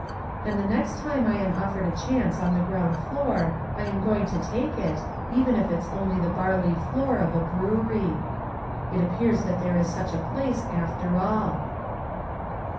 And the next time I am offered a chance on the ground floor I am going to take it, even if it's only the barley floor of a brewery. It appears that there is such a place after all.